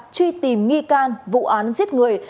truy tìm nghi can vụ án giết người